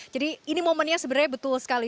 jadi ini momennya sebenarnya betul sekali